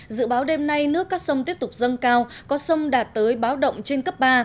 dự báo đêm nay nước các sông tiếp tục dâng cao có sông đạt tới báo động trên cấp ba